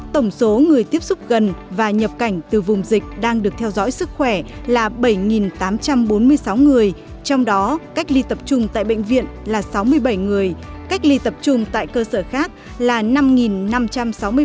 tổng số người tiếp xúc gần và nhập cảnh từ vùng dịch đang được theo dõi sức khỏe là bảy tám trăm bốn mươi sáu người trong đó cách ly tập trung tại bệnh viện là sáu mươi bảy người cách ly tập trung tại cơ sở khác là năm năm trăm sáu mươi ba người cách ly tại nhà nơi lưu trú là hai hai trăm một mươi sáu người